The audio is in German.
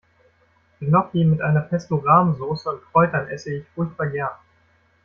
Gnocchi mit einer Pesto-Rahm-Soße und Kräutern esse ich furchtbar gern.